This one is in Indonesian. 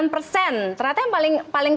delapan persen ternyata yang paling